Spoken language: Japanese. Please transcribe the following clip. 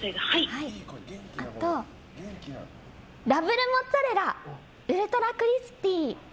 あと、ダブルモッツァレラウルトラクリスピー。